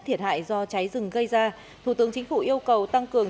thiệt hại do cháy rừng gây ra thủ tướng chính phủ yêu cầu tăng cường